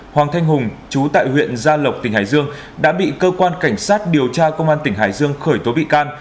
hoàng thanh hùng chú tại huyện gia lộc tỉnh hải dương đã bị cơ quan cảnh sát điều tra công an tỉnh hải dương khởi tố bị can